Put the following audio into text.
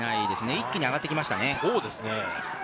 一気に上がってきましたね。